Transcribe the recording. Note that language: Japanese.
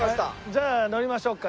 じゃあ乗りましょうかね。